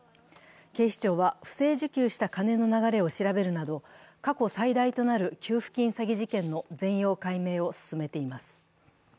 警視庁は不正受給した金の流れを調べるなど、過去最大となる給付金詐欺事件の全容解明を進めています。